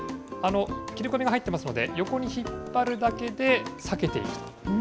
切れ込みが入ってますので、横に引っ張るだけで、裂けていく。